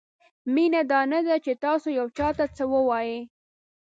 مینه دا نه ده چې تاسو یو چاته څه ووایئ.